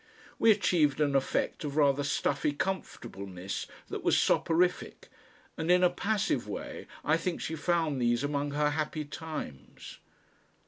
We achieved an effect of rather stuffy comfortableness that was soporific, and in a passive way I think she found these among her happy times.